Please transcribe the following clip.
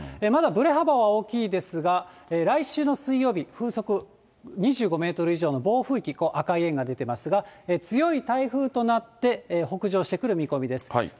まだぶれ幅は大きいですが、来週の水曜日、風速２５メートル以上の暴風域、赤い円が出てますが、強い台風となって、北上してくる見込みです。